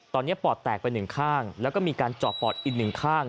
ตอนนี้ปอดแตกไป๑ข้างแล้วก็มีการจอดปอดอีก๑ข้าง